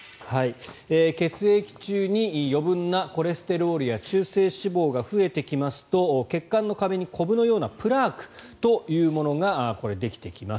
血液中に余分なコレステロールや中性脂肪が増えてきますと血管の壁にこぶのようなプラークというものがこれ、できてきます。